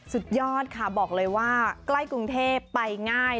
สุดยอดค่ะบอกเลยว่าใกล้กรุงเทพไปง่าย